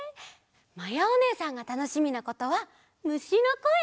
まやおねえさんがたのしみなことはむしのこえ！